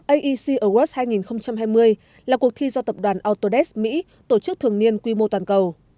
aec awards hai nghìn hai mươi là cuộc thi do tập đoàn autodesh mỹ tổ chức thường niên quy mô toàn cầu